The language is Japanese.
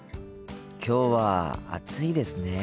きょうは暑いですね。